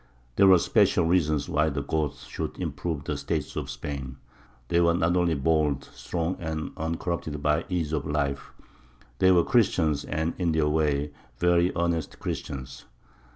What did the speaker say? There were special reasons why the Goths should improve the state of Spain. They were not only bold, strong, and uncorrupted by ease of life; they were Christians, and, in their way, very earnest Christians.